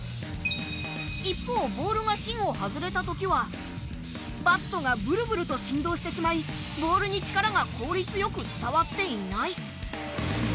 一方、ボールが芯を外れたときは、バットがブルブルと振動してしまい、ボールに力が効率よく伝わっていない。